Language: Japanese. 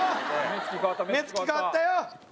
「目付き変わったよ！」